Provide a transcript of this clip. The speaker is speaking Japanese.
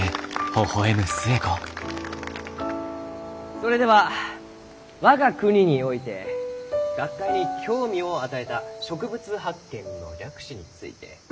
それでは「我が国において学会に興味を与えた植物発見の略史」について。